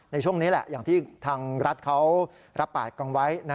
ในช่วงนี้แหละอย่างที่ทางรัฐเขารับปากกันไว้